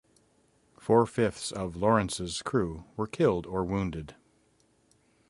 Four-fifths of "Lawrence"s crew were killed or wounded.